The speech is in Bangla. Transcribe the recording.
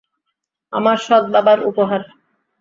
আমার সৎ বাবার উপহার।